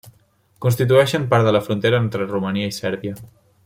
Constitueixen part de la frontera entre Romania i Sèrbia.